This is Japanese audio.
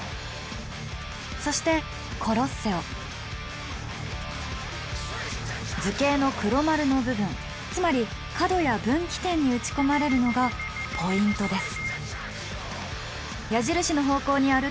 そして図形の黒丸の部分つまり角や分岐点に打ち込まれるのがポイントです。